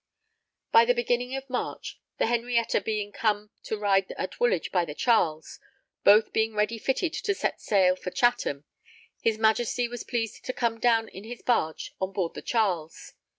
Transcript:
_ _By the beginning of March, the Henrietta being come to ride at Woolwich by the Charles, both being ready fitted to set sail for Chatham, his Majesty was pleased to come down in his barge on board the Charles.